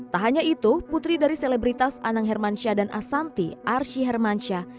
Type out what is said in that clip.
tak hanya itu putri dari selebritas anang hermansyah dan asanti arsyi hermansyah